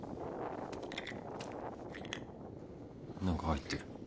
何か入ってる